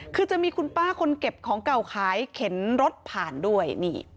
คือจะมีคุณป้าคนเก็บของเก่าขายเข็นรถผ่านด้วย